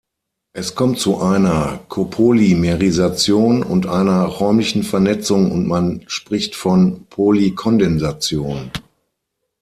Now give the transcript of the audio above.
Es kommt zu einer Copolymerisation und einer räumlichen Vernetzung und man spricht von Polykondensation.